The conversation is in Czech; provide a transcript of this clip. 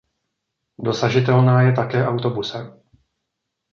Dosažitelná je také autobusem.